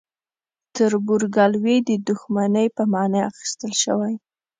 تربورګلوي د دښمنۍ په معنی اخیستل شوی.